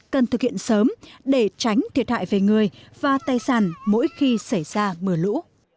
cần thực hiện sớm để tránh thiệt hại về người và tài sản mỗi khi xảy ra mưa lũ